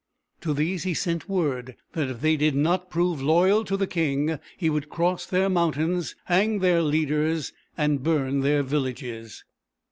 To these he sent word that if they did not prove loyal to the king, he would cross their mountains, hang their leaders, and burn their villages.